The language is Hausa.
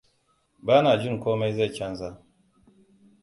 Bana jin komai zai canza.